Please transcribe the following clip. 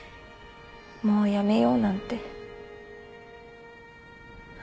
もうやめようなんて。